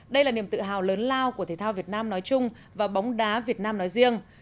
đây là niềm tự hào lớn lao của thể thao việt nam nói chung và bóng đá việt nam nói riêng